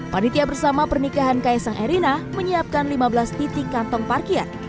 panitia bersama pernikahan kaisang erina menyiapkan lima belas titik kantong parkir